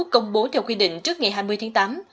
công bố theo quy định trước ngày hai mươi tháng tám